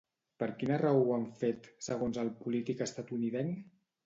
Per quina raó ho han fet, segons el polític estatunidenc?